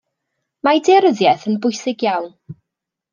Mae daearyddiaeth yn bwysig iawn.